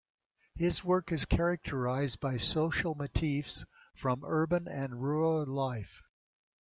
His work is characterized by social motifs from urban and rural life.